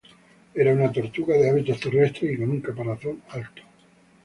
Era una tortuga de hábitos terrestres y con un caparazón alto.